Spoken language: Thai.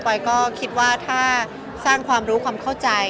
อยก็คิดว่าถ้าสร้างความรู้ความเข้าใจ